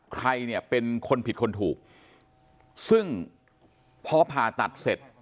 ใครเนี่ยเป็นคนผิดคนถูกซึ่งพอผ่าตัดเสร็จ